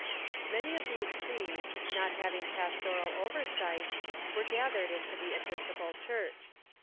]Many of these Swedes, not having pastoral oversight, were gathered into the Episcopal Church.